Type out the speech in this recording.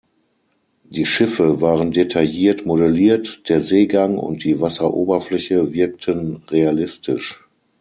Die Schiffe waren detailliert modelliert, der Seegang und die Wasseroberfläche wirkten realistisch.